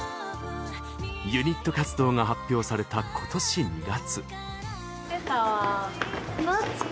ユニット活動が発表された今年２月。